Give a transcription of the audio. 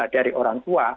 dari orang tua